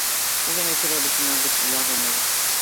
Es una historia original de Pilar Romero.